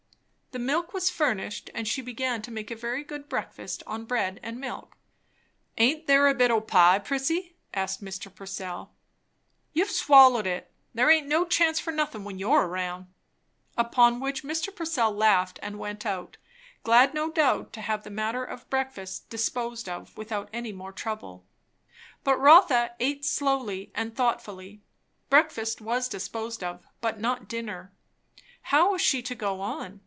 The milk was furnished, and she began to make a very good breakfast on bread and milk. "Aint there a bit o' pie, Prissy?" asked Mr. Purcell. "You've swallowed it. There aint no chance for nothin' when you're round." Upon which Mr. Purcell laughed and went out, glad no doubt to have the matter of breakfast disposed of without any more trouble. But Rotha eat slowly and thoughtfully. Breakfast was disposed of, but not dinner. How was she to go on?